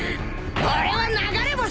俺は流れ星！